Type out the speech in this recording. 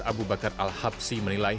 abu bakar al habsi menilai